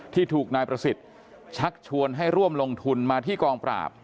ที่ถูกนายประสิทธิ์ชักชวนให้ร่วมลงทุนมาที่กองปราบ